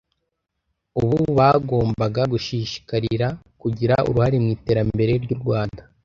ubu bagombaga gushishikarira kugira uruhare mu iterambere ry’u Rwanda